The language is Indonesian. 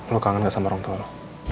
lo kangen gak sama orang tua